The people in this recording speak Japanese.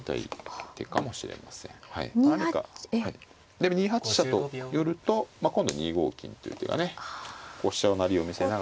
でも２八飛車と寄ると今度２五金っていう手がねこう飛車の成りを見せながら。